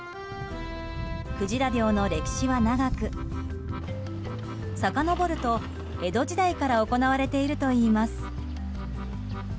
クジラ漁の歴史は長くさかのぼると、江戸時代から行われているといいます。